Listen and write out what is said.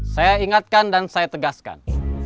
saya ingatkan dan saya tegaskan